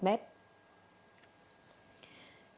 trước tình hình này